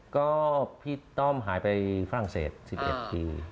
ก็พี่ต้อมหายไปฝรั่งเศส๑๑ปี